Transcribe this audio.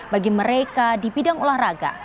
bagi mereka di bidang olahraga